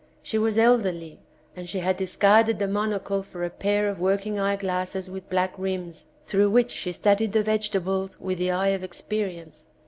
She was elderly, and she had discarded the monocle for a pair of working eyeglasses with black rims, through which she studied the vegetables with the eye of experience.